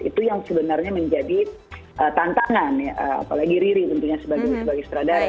itu yang sebenarnya menjadi tantangan ya apalagi riri tentunya sebagai seorang istradara